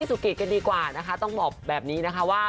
สุกิตกันดีกว่านะคะต้องบอกแบบนี้นะคะว่า